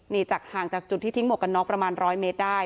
นี่จากห่างจากจุดที่ทิ้งหมวกกันน็อกประมาณ๑๐๐เมตรได้